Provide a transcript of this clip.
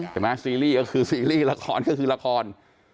ซีรีส์ก็คือซีรีส์ละครก็คือละคร